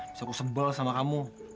bisa aku sebel sama kamu